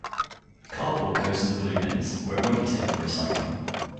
Cardboard goes in the blue bins, or it won't be taken for recycling